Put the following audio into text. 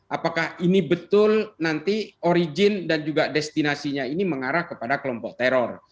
apakah ini betul nanti origin dan juga destinasinya ini mengarah kepada kelompok teror